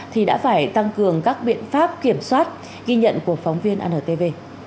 thì đã phải tăng cường các biện pháp kiểm soát ghi nhận của phóng viên antv